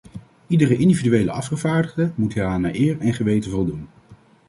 Iedere individuele afgevaardigde moet hieraan naar eer en geweten voldoen.